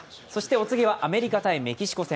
お次は、アメリカ×メキシコ戦。